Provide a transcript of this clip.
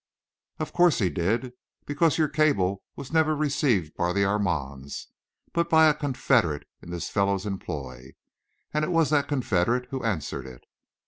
"Of course he did, because your cable was never received by the Armands, but by a confederate in this fellow's employ; and it was that confederate who answered it.